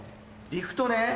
リフトね。